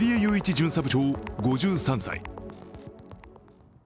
巡査部長５３歳。